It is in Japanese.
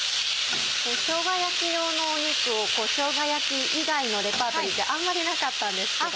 しょうが焼き用の肉をしょうが焼き以外のレパートリーってあんまりなかったんですけど。